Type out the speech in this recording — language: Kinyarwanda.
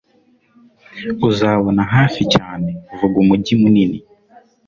uzabona hafi cyane Vuga umujyi munini